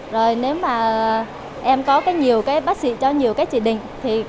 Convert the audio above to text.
rồi nếu mà em có nhiều bác sĩ cho nhiều cái chỉ định